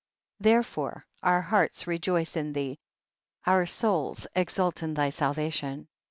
19. Therefore our hearts rejoice in thee, our souls exult in thy salvation.